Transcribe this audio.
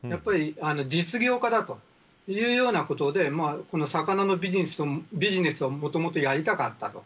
実業家だというようなことでこの魚のビジネスをもともとやりたかったと。